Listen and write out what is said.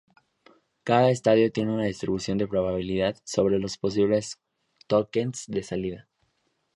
Cada estado tiene una distribución de probabilidad sobre los posibles tokens de salida.